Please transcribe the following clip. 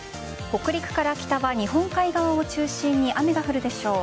北陸から北は日本海側を中心に雨が降るでしょう。